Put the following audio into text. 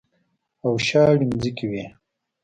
او شاړې ځمکې وې.